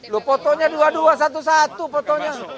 loh fotonya dua dua satu satu fotonya